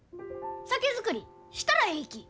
酒造りしたらえいき！